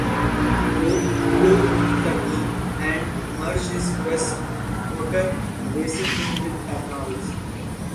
Cope co-owned the team and merged his Quest Motor Racing team with Arnold's.